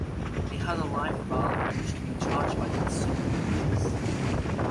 It has a life bar, which can be charged by consuming enemies.